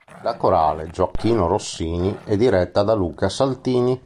La Corale Gioachino Rossini è diretta da Luca Saltini.